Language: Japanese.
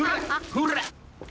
ほら！